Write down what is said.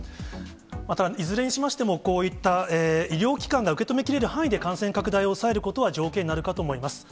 またいずれにしましても、こういった医療機関が把握できるだけの感染拡大を抑えることは条件になるかと思います。